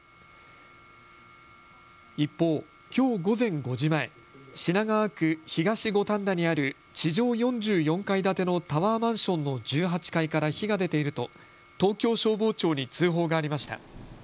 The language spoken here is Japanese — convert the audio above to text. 一方、きょう午前５時前、品川区東五反田にある地上４４階建てのタワーマンションの１８階から火が出ていると東京消防庁に通報がありました。